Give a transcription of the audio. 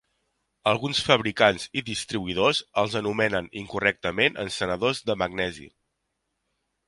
Alguns fabricants i distribuïdors els anomenen incorrectament encenedors de "magnesi".